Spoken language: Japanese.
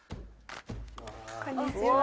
こんにちは。